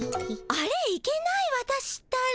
あれいけない私ったら。